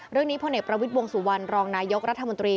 เรื่องนี้พนประวิทย์วงศุวรรณรองนายกรัฐมนตรี